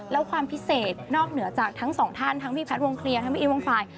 แล้วความพิเศษนอกเหนือจากทั้งสองท่านทั้งพี่แพทย์วงเคลียร์ทั้งพี่อีวงควาย